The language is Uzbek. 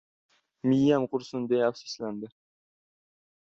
"Miyam qursin, — deya afsuslandi.